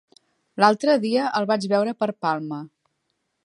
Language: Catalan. L'altre dia el vaig veure per Palma.